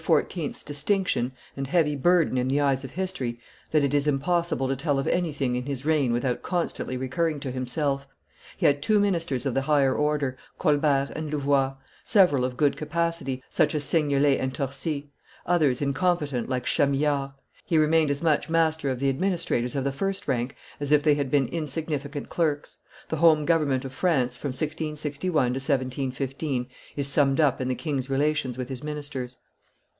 's distinction and heavy, burden in the eyes of history that it is, impossible to tell of anything in his reign without constantly recurring to himself. He had two ministers of the higher order, Colbert and Louvois; several of good capacity, such as Seignelay and Torcy; others incompetent, like Chamillard; he remained as much master of the administrators of the first rank as if they had been insignificant clerks; the home government of France, from 1661 to 1715, is summed up in the king's relations with his ministers.